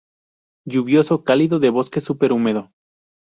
Lluvioso cálido de bosque super húmedo.